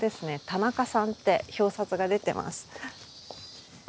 田中さんって表札が出てます。